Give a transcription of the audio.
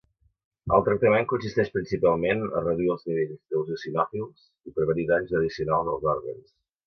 El tractament consisteix principalment a reduir els nivells d'eosinòfils i prevenir danys addicionals als òrgans.